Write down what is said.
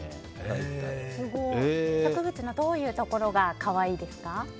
植物のどういうところが可愛いですか？